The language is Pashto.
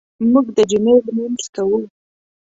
موږ د جمعې لمونځ کوو.